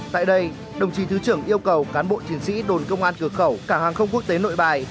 tại đây đồng chí thứ trưởng yêu cầu cán bộ chiến sĩ đồn công an cửa khẩu cảng hàng không quốc tế nội bài